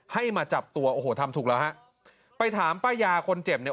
ให้มาจับตัวโอ้โหทำถูกแล้วฮะไปถามป้ายาคนเจ็บเนี่ย